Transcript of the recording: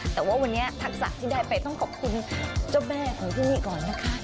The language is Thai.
แต่ว่าวันนี้ทักษะที่ได้ไปต้องขอบคุณเจ้าแม่ของที่นี่ก่อนนะคะ